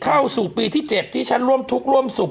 เข้าสู่ปีที่๗ที่ฉันร่วมทุกข์ร่วมสุข